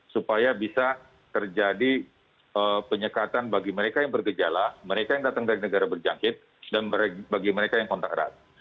supaya bisa terjadi penyekatan bagi mereka yang bergejala mereka yang datang dari negara berjangkit dan bagi mereka yang kontak erat